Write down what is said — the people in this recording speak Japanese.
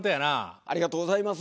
ありがとうございます。